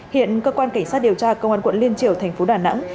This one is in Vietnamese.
hiện cơ quan cảnh sát điều tra công an quận liên triều thành phố đà nẵng